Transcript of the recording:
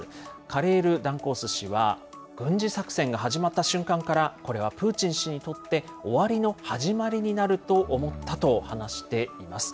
カレールダンコース氏は、軍事作戦が始まった瞬間から、これはプーチン氏にとって、終わりの始まりになると思ったと話しています。